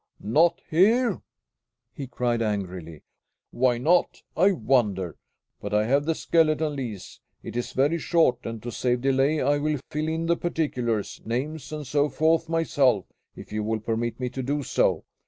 "Not here!" he cried angrily. "Why not, I wonder! But I have the skeleton lease; it is very short, and to save delay I will fill in the particulars, names, and so forth myself, if you will permit me to do so.